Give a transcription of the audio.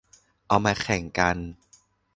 เอามาแข่งกัน